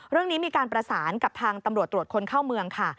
เรื่องนี้มีการประสานกับทางตำรวจตรวจคนเข้าเมืองค่ะ